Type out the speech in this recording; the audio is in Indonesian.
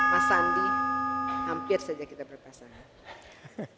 mas sandi hampir saja kita berpasangan